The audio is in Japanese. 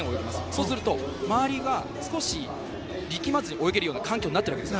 そうすると、周りは力まずに泳げるような環境になっているわけです。